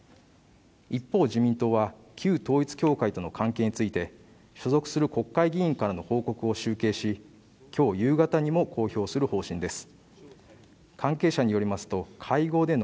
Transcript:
一方自民党は旧統一教会との関係について所属する国会議員からの報告を集計し今日夕方にも公表する方針です